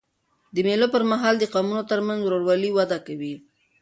د مېلو پر مهال د قومونو ترمنځ ورورولي وده کوي.